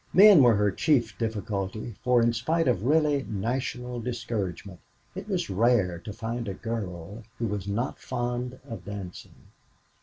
Men were her chief difficulty, for in spite of really national discouragement, it was rare to find a girl who was not "fond of dancing."